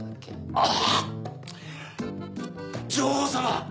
あぁ女王様！